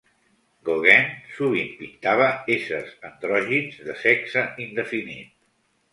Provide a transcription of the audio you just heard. Gauguin sovint pintava éssers andrògins de sexe indefinit.